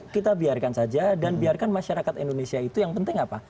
kita biarkan saja dan biarkan masyarakat indonesia itu yang penting apa